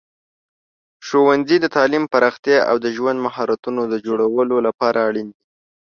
ښوونځي د تعلیم پراختیا او د ژوند مهارتونو د جوړولو لپاره اړین دي.